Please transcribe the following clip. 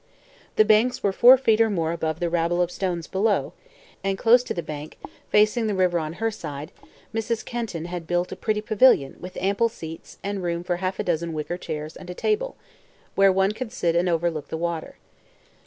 The banks were four feet or more above the rabble of stones below, and close to the bank, facing the river on her side, Mrs. Kenton had built a pretty pavilion with ample seats and room for half a dozen wicker chairs and a table, where one could sit and overlook the water.